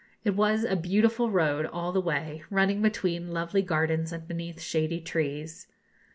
It was a beautiful road all the way, running between lovely gardens and beneath shady trees.